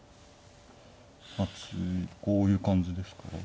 次こういう感じですか。